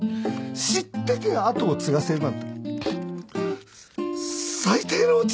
知ってて後を継がせるなんて最低の父親だ。